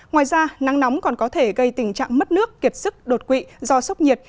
ngoài ra nắng nóng còn có thể gây tình trạng mất nước kiệt sức đột quỵ do sốc nhiệt